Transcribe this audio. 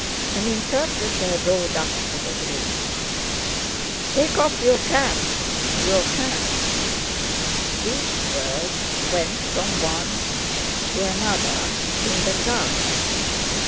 An interpreter rode up to the group. "Take off your cap... your caps!" These words went from one to another in the crowd.